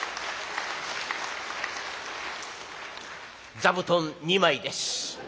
「座布団２枚です。